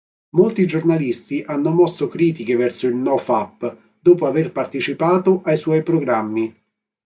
Molti giornalisti hanno mosso critiche verso il NoFap dopo aver partecipato ai suoi programmi.